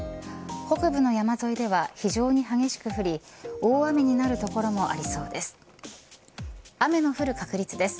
北部の山沿いでは非常に激しく降り大雨になる所もありそうです。